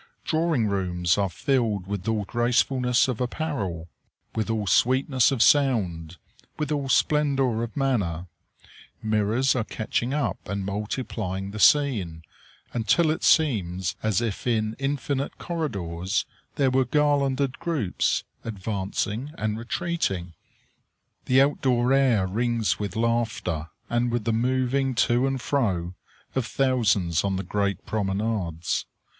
Drawing rooms are filled with all gracefulness of apparel, with all sweetness of sound, with all splendor of manner; mirrors are catching up and multiplying the scene, until it seems as if in infinite corridors there were garlanded groups advancing and retreating. The out door air rings with laughter, and with the moving to and fro of thousands on the great promenades.